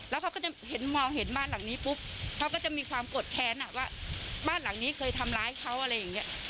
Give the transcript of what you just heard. แล้วเขาก็จะเห็นมองเห็นบ้านหลังนี้ปุ๊บเขาก็จะมีความกดแค้นว่าบ้านหลังนี้เคยทำร้ายเขาอะไรอย่างนี้